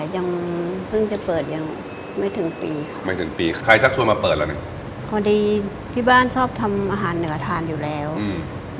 ยังเพิ่งจะเปิดยังไม่ถึงปีไม่ถึงปีใครชักชวนมาเปิดแล้วเนี่ยพอดีที่บ้านชอบทำอาหารเหนือทานอยู่แล้วอืม